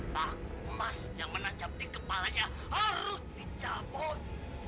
pak kumas yang menajam di kepalanya harus di jabut